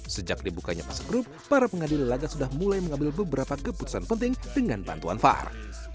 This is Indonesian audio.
sejak dibukanya fase grup para pengadil laga sudah mulai mengambil beberapa keputusan penting dengan bantuan var